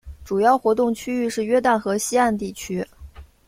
主要活动区域是约旦河西岸地区。